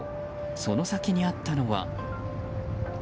その先にあったのは。